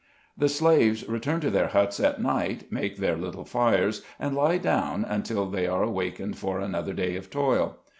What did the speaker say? The slaves return to their huts at night, make their little fires, and lie down until they are awak ened for another day of toil.